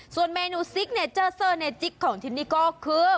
ส่วนเมนูซิกเนเจอร์เซอร์เนจิ๊กของที่นี่ก็คือ